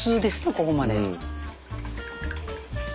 ここまで。